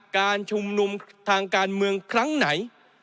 การชุมนุมทางการเมืองครั้งไหน